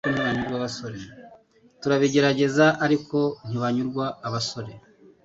turabigerageza ariko ntibanyurwa abasore.